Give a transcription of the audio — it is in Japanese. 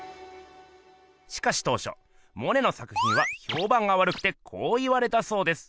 しかし当しょモネの作品はひょうばんがわるくてこう言われたそうです。